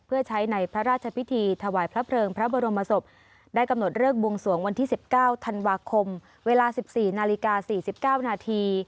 เพื่อใช้ในพระราชพิธีถวายพระเพลิงพระบรมศพได้กำหนดเลิกบวงสวงวันที่๑๙ธันวาคมเวลา๑๔นาฬิกา๔๙นาที